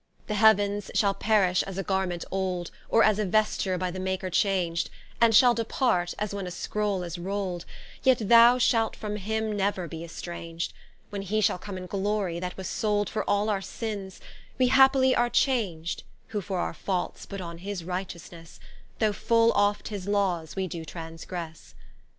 The Heav'ns shall perish as a garment olde, Or as a vesture by the maker chang'd, And shall depart, as when a skrowle is rolde; Yet thou from him shalt neuer be estrang'd, When He shall come in glory, that was solde For all our sinnes; we happily are chang'd, Who for our faults put on his righteousnesse, Although full oft his Lawes we doe transgresse.